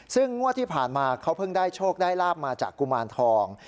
ซึ่งงวดที่ผ่านมาเขาเพิ่งได้โชคได้ลาบมาจากกุมารทอง